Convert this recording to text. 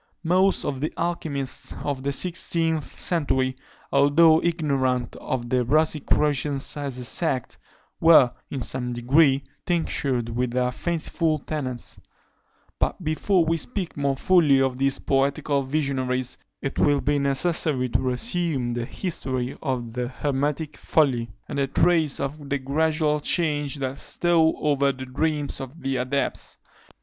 Most of the alchymists of the sixteenth century, although ignorant of the Rosicrucians as a sect, were, in some degree, tinctured with their fanciful tenets: but before we speak more fully of these poetical visionaries, it will be necessary to resume the history of the hermetic folly, and trace the gradual change that stole over the dreams of the adepts.